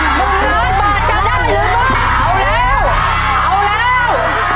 หมุนล้านบาทจะได้หรือเปล่า